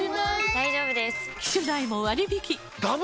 大丈夫です！